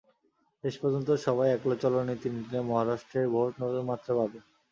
শেষ পর্যন্ত সবাই একলা চলো নীতি নিলে মহারাষ্ট্রের ভোট নতুন মাত্রা পাবে।